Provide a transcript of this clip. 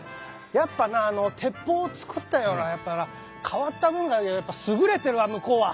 やっぱな鉄砲を作ったような変わった文化がやっぱ優れてるわ向こうは。